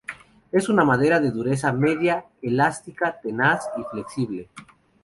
Es una madera de dureza media, elástica, tenaz y flexible.